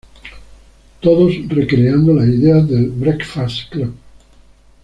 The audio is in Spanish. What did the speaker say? Todos re-creando la idea de The Breakfast Club.